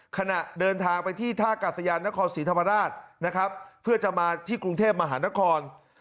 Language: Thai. ขณะเดินทางไปที่ท่ากาศยานนครศรีธรรมราชนะครับเพื่อจะมาที่กรุงเทพมหานคร